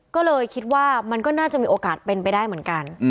ก็เลยคิดว่ามันก็น่าจะมีโอกาสเป็นไปได้เหมือนกัน